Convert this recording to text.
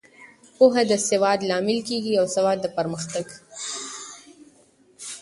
پوهه د سواد لامل کیږي او سواد د پرمختګ.